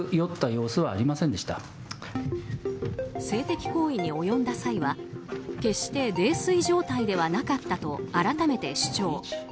性的行為に及んだ際は決して泥酔状態ではなかったと改めて主張。